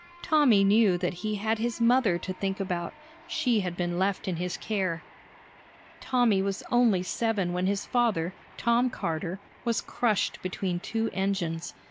Tommy knew that he had his mother to think about; she had been left in his care. Tommy was only seven when his father, Tom Carter, was crushed between two engines.